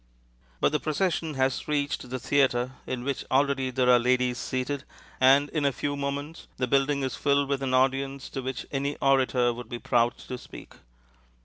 But the procession has reached the theatre, in which already there are ladies seated, and in a few moments the building is filled with an audience to which any orator would be proud to speak.